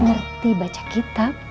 ngerti baca kitab